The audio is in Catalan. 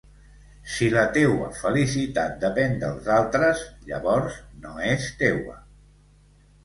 Si la teua felicitat depèn dels altres, llavors no és teua.